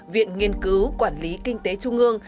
viện nghiên cứu quản lý kinh tế trung ương